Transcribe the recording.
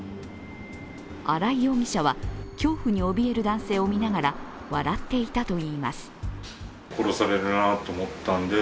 荒井容疑者は、恐怖におびえる男性を見ながら笑っていたといいます。